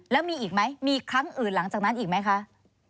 แล้วมีอีกไหมมีครั้งอื่นหลังจากนั้นอีกไหมคะ